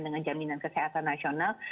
dengan jaminan kesehatan nasional